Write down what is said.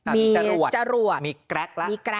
มีจรวดมีแกร๊ก